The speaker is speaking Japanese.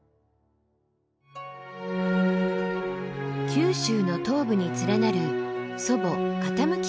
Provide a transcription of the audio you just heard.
九州の東部に連なる祖母・傾山系。